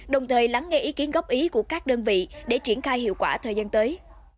đồng thời lắng nghe ý kiến góp ý của các đơn vị để triển khai hiệu quả thời gian tới